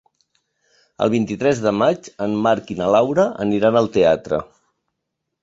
El vint-i-tres de maig en Marc i na Laura aniran al teatre.